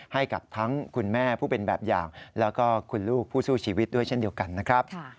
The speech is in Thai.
ให้กับทั้งคุณแม่ผู้เป็นแบบอย่างแล้วก็คุณลูกผู้สู้ชีวิตด้วยเช่นเดียวกันนะครับ